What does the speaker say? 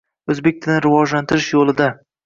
O‘zbek tilini rivojlantirish yo‘lidang